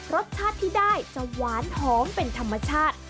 รสชาติที่ได้จะหวานหอมเป็นธรรมชาติ